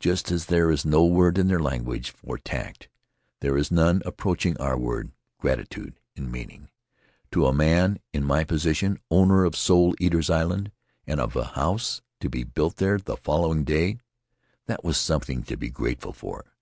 Just as there is no word in their language for "tact," there is none approaching our word "gratitude" in meaning. To a man in my position, owner of Soul Eaters' Island, and of a house to be built there the following day, that was something to be grateful for.